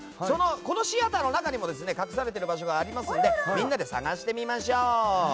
このシアターの中にも隠されている場所があるのでみんなで探してみましょう。